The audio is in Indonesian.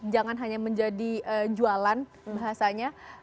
jangan hanya menjadi jualan bahasanya